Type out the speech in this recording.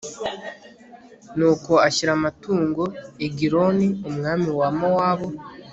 nuko ashyira amaturo egiloni, umwami wa mowabu